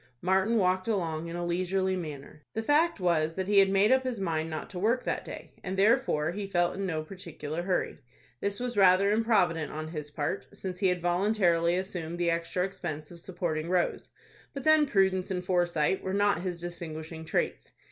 Martin walked along in a leisurely manner. The fact was that he had made up his mind not to work that day, and therefore he felt in no particular hurry. This was rather improvident on his part, since he had voluntarily assumed the extra expense of supporting Rose; but then prudence and foresight were not his distinguishing traits.